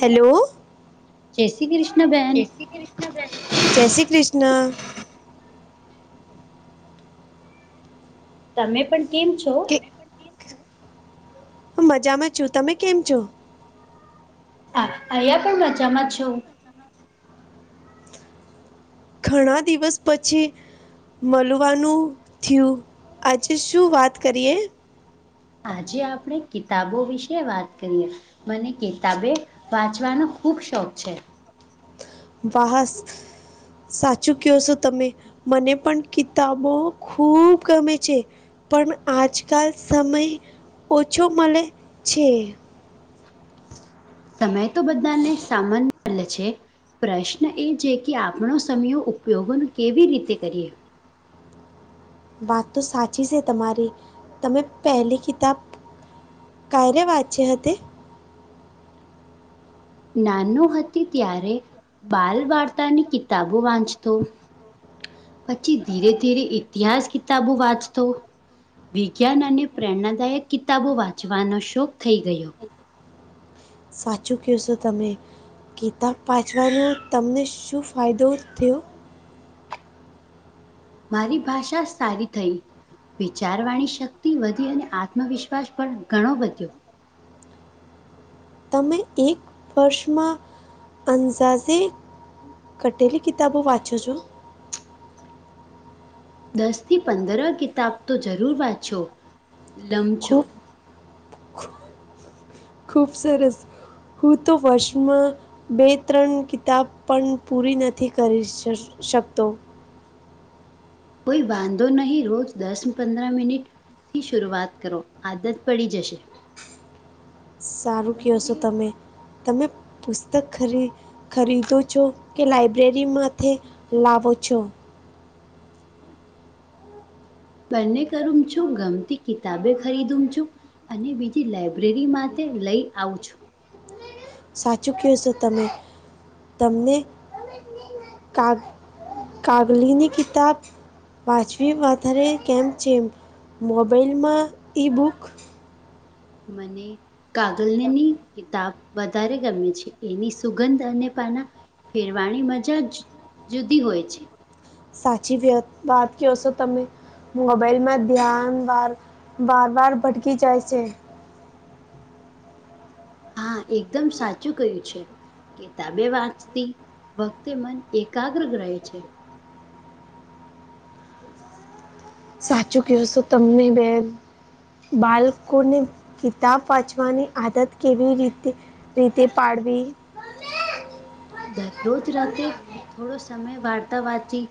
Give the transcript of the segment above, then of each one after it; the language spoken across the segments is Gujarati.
હાલો. જય શ્રી કૃષ્ણ બેન જય શ્રી કૃષ્ણ. તમે પણ કેમ છો? આ મજામાં છું, તમે કેમ છો? હા, અહીયા પણ મજામાં છો. ઘણા દિવસ પછી મળવાનું થયું, આજે શું વાત કરીએ? આજે આપણે કિતાબો વિશે વાત કરીએ. મને કેિતાબે વાંચવાનો ખુબ શોખ છે. વાહ સાચું કહો છો તમે? મને પણ કિતાબો ખુબ ગમે છે. પણ આજકાલ સમય ઓછો મળે છે. સમય તો બધાને સામાન છે. પ્રશ્ન એ છે કે, આપણો ઉપયોગો કેવી રીતે વાત તો સાચી છે તમારી, તમે પહેલી કિતાબ ક્યારે વાંચે હતી? નાનું હતી ત્યારે બાલ વાર્તાની કિતાબો વાંચતો. પછી ધીરે-ધીરે ઇતિહાસ કિતાબો વાંચતો. વિજ્ઞાન અને પ્રેરણાદાયક કિતાબો વાંચવાનો શોખ થઈ ગયો. સાચું કેશો તમે. કિતાબ પાચવાનો તમને શું ફાયદો થયો? મારી ભાષા સારી થઈ. વિચારવાણી શક્તિ વધી અને આત્મવિશ્વાસ પણ ઘણો વધ્યો તમે એક વર્ષમાં [unintelligible] કટેલી કિતાબો વાંચો છો? દસથી પંદર કિતાબ તો જરૂર વાંચો લમચો ખુબ સરસ હું તો વર્ષમાં બે ત્રણ કિતાબ પણ પૂરી નથી કરી શ શકતો. કોઈ વાંધો નહી રોજ દસ પંદર મિનિટ થી શરૂઆત કરો આદત પડી જશે. સારું કહેશો તમે તમે પુસ્તક ખરી ખરીદો છો? કે લાઈબ્રેરીમાંથી લાવો છો? બંને કરુ છું ગમતી કિતાબે ખરીદુ છું. અને બીજી લાઈબ્રેરી માટે લઈ આવું છું. સાચું કહેશો તમે? તમને કા કાગલીની કિતાબ વાચમી વધારે કેમ છે, મ મોબાઈલમાં ઈ બુક મને કાગલની કિતાબ વધારે ગમે છે, એની સુગંધ અને પાના ફેરવાની મજા જ જુદી હોય છે. સાચી વાય વાત કયો છો તમે? મોબાઈલમાં ધ્યાન વાર, વાર, વાર ભટકી જાય છે. હા એકદમ સાચું કહ્યુ છે. કેતાબે વાંચતી વખતે મન એકાગ્ર રહે છે. સાચુ કહશો તમને મે બાલકોને કિતાબ વાંચવાની આદત કેવી રીતે રીતે પાડવી. દરરોજ રાતે થોડો સમય વાર્તા વાંચી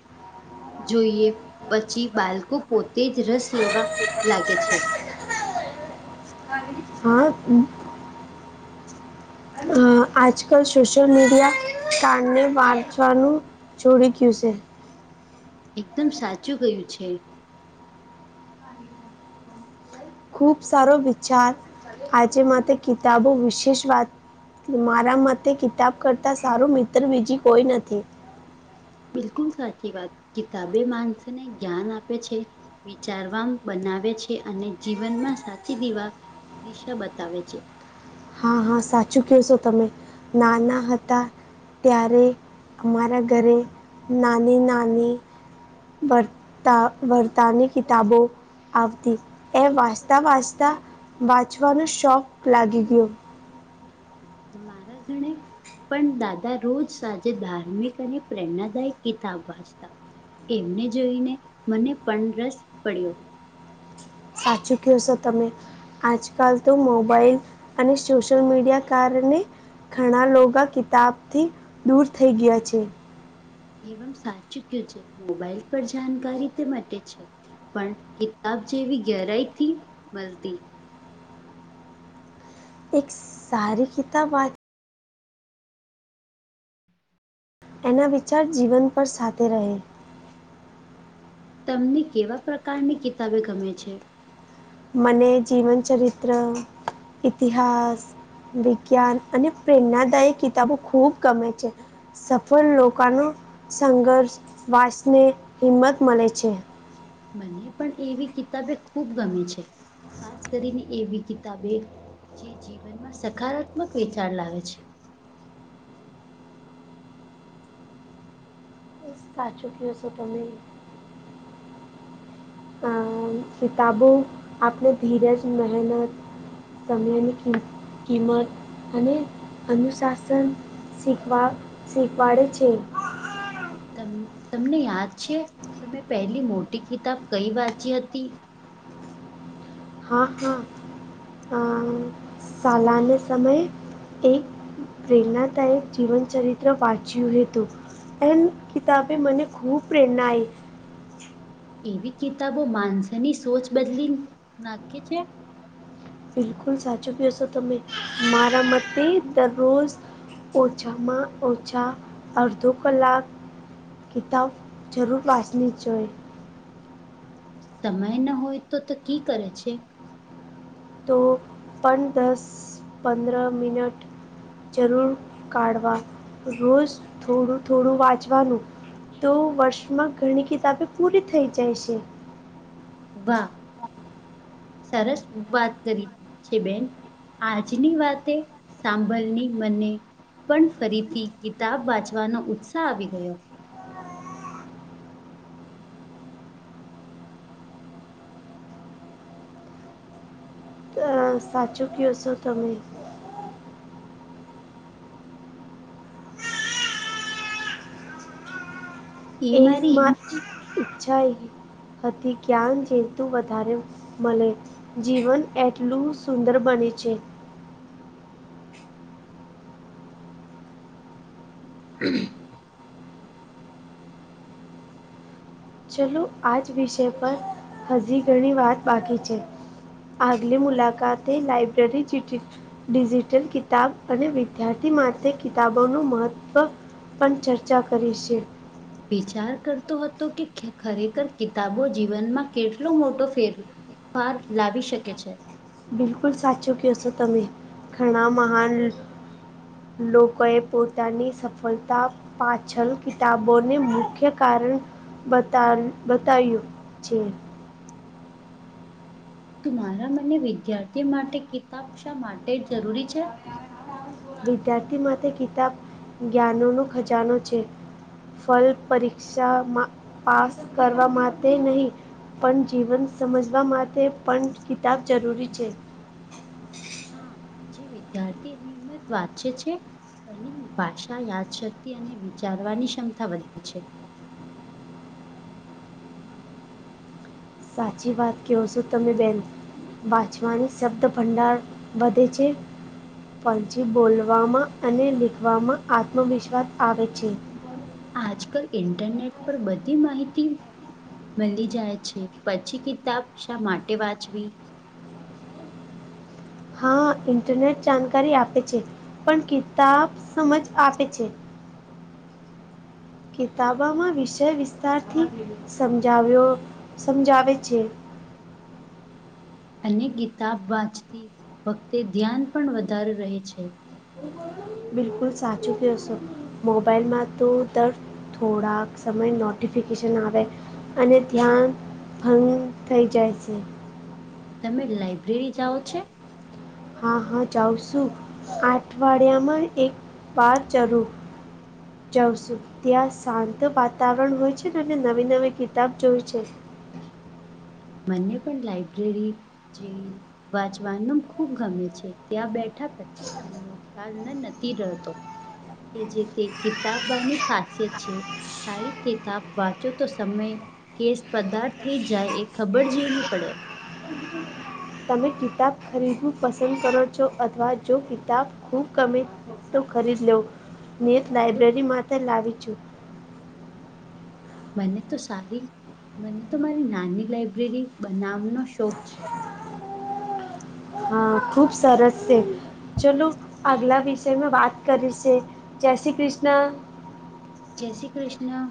જોઈએ પછી બાલકો પોતે જ રસ લેવા લાગે છે. હા. અ આજકલ સોશલ મીડિયા કારણે વાંચવાનું છોડી ગયુ છે. એકદમ સાચું કયું છે. ખુબ સારો વિચાર આજે માટે કિતાબો વિશેષ વાત મારા મતે કિતાબ કરતા સારું મિત્ર બીજી કોઈ નથી. બિલકુલ સાચી વાત કિતાબે માણસને જ્ઞાન આપે છે. વિચારવામ બનાવે છે, અને જીવનમાં સાચી દીવા દિશા બતાવે છે. હા હા સાચું કહેશો તમે નાના હતા. ત્યારે અમારા ઘરે નાની નાની બતા બરતાની કિતાબો આવતી એ વાંચતા વાંચતા વાંચવાનો શોખ લાગી ગયો. હ [unintelligible] મારાધણે પણ દાદા રોજ સાંજે ધાર્મિક અને પ્રેરણાદાયક કિતાબ વાંચતા એમને જોઈને મને પણ રસ પડયો સાચું કયો છો તમે આજકાલ તો મોબાઈલ અને સોશિયલ મીડિયા કારણે ઘણા લોગા કિતાબથી દૂર થઈ ગયા છે. એમ સાચું કયું છે. મોબાઈલ પર જાણકારી તે માટે છે. પણ કિતાબ જેવી ગેરાઈથી મલતી એક સારી કિતાબ વા એના વિચાર જીવન પર સાથે રહે. તમને કેવા પ્રકારની કિતાબે ગમે છે? મને જીવનચરિત્ર ઇતિહાસ. વિજ્ઞાન અને પ્રેરણાદાયીક કિતાબો ખૂબ ગમે છે. સફળ લોકાનો સંઘર્ષ વાચીને હિંમત મળે છે. મને પણ એવી કિતાબે ખૂબ ગમે છે. ખાસ કરીને એવી કિતાબે જે જીવનમાં સકારાત્મક વિચાર લાવે છે. સાચુ કેયો છો તમે હા કિતાબો આપને ધીરજ મહેનત સમયની કિ કિંમત અને અનુશાસન શીખવા શીખવાડે છે. ત તમને યાદ છે તમે પહેલી મોટી કિતાબ કઈ વાંચી હતી. હા હા અ સાલાન્ય સમયે. એક પ્રેરણાદાયક જીવનચરિત્ર વાચ્યું હતું. એન કિતાબે મને ખૂબ પ્રેરણા આઈ એવી કિતાબો માનસની સોચ બદલી નાખે છે. બિલકુલ સાચું કેશો તમે મારા મતે દરરોજ ઓછામાં ઓછા અર્ધો કલાક કિતાબ જરૂર વાચવી જોય. સમય ન હોય તો તો કી કરે છે. તો પણ દસ પંદરહ મિનટ. જરૂર કાઢવા રોજ થોડું થોડું વાંચવાનું. તો વર્ષમાં ઘણી કિતાબે પૂરી થઈ જાય છે. વાહ સરસ વાત કરી છે બેન. આજની વાતે સાંભળની મને પણ ફરીથી કિતાબ વાંચવાનો ઉત્સાહ આવી ગયો. હા સાચું કહેશો તમે. એ એક મારી માર ઈચ્છા એ. હતી જ્ઞાન જેતુ વધારે મળે. જીવન એટલું સુંદર બને છે. હમ્મ ચલો આજ વિષય પર હજી ઘણી વાત બાકી છે. આગલી મુલાકાત એ લાયબ્રેરી [unintelligible] ડિજિટલ કિતાબ અને વિદ્યાર્થી માટે કિતાબોનું મહત્વ પણ ચર્ચા કરી છે. વિચાર કરતો હતો કે ખરેખર કિતાબો જીવનમાં કેટલો મોટો ફેર. પાર લાવી શકે છે. બિલકુલ સાચું કેયશો તમે ઘણા મહાન લોકોએ પોતાની સફળતા પાછલ કિતાબોને મુખ્ય કારણ બતાનું બતાયું છે. તું મારા મને વિદ્યાર્થી માટે કિતાબ શા માટે જ જરૂરી છે. વિદ્યાર્થી માટે કિતાબ જ્ઞાનોનો ખજાનો છે. ફલ પરીક્ષામાં પાસ કરવા માટે નહીં પન જીવન સમજવા માટે પન કિતાબ જરૂરી છે. હા જે વિદ્યાર્થી નિયમિત વાચે છે એની ભાષા, યાદશક્તિ અને વિચારવાની ક્ષમતા વધે છે. સાચી વાત કયો છો તમે બેન. વાંચવાની શબ્દ ભંડાર વધે છે. પછી બોલવામાં અને લીખવામાં આત્મવિશ્વાસ આવે છે. આજકાલ ઇન્ટરનેટ પર બધી માહિતી મળી જાય છે પછી કિતાબ શા માટે વાંચવી. હા, ઇન્ટરનેટ જાનકારી આપે છે પન કિતાબ સમજ આપે છે. કિતાબામાં વિષય વિસ્તારથી સમજાવ્યો સમજાવે છે. અને કિતાબ વાંચતી વખતે ધ્યાન પણ વધારે રહે છે. બિલકુલ સાચું કયો સો મોબાઈલમાં તો દર થોડાક સમય નોટિફિકેશન આવે અને ધ્યાન ભંગ થઇ જાય છે. તમે લાઈબ્રેરી જાઓ છે? હા, હા જાઉ સું અઠવાડિયામાં એક પાર જરૂ જાઉંશું. ત્યાં શાંત વાતાવરન હોય છે ને અને નવી-નવી કિતાબ જોય છે. મને પણ લાઈબ્રેરી જે વાંચવાનું ખુબ ગમે છે ત્યાં બે ઠા પચી સમ્યો ખ્યાલના નથી રહેતો. એ જે તે કિતાબની ખાસિયત છે. સારી કિતાબ વાંચો તો સમય કેસ પદાર થઈ જાય એ ખબર જી ની પડે. [inaudible] તમે કિતાબ ખરીદવું પસંદ કરો છો અથવા જો કિતાબ ખૂબ ગમે તો ખરીદ લેવ ને જો લાઈબ્રેરી માટે લાવી છું. મને તો સારી મને તો મારી નાની લાઇબ્રેરી બનાવનો શોખ છે. હા, ખુબ સરસ છે. ચલો આગલા વિષયમા વાત કરી સે જય શ્રી ક્રિષ્ના. જય શ્રી કૃષ્ણ.